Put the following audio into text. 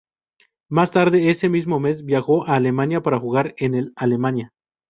Más tarde ese mismo mes viajó a Alemania para jugar en el en Alemania.